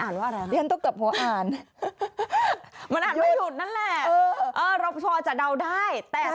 นี่ไงสรุปมันอ่านว่าอะไร